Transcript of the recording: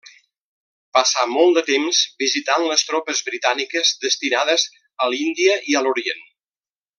Passà molt de temps visitant les tropes britàniques destinades a l'Índia i a l'Orient.